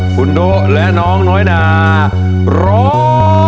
คุณโดะและน้องน้อยนาร้อง